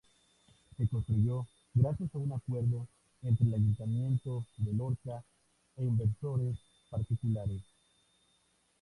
Se construyó gracias a un acuerdo entre el Ayuntamiento de Lorca e inversores particulares.